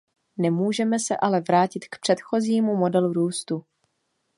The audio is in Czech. Nemůžeme se ale vrátit k předchozímu modelu růstu.